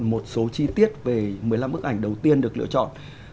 một số chi tiết về một mươi năm bức ảnh đầu tiên được lựa chọn